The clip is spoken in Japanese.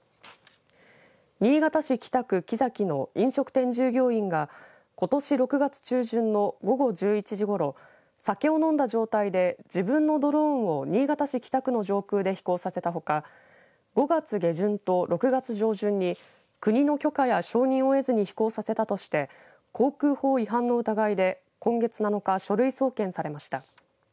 新潟市北区木崎の飲食店従業員がことし６月中旬の午後１１時ごろ酒を飲んだ状態で自分のドローンを新潟市北区の上空で飛行させたほか５月下旬と６月上旬に国の許可や承認を得ずに飛行させたとして航空法違反の疑いで今月７日、書類送検されました。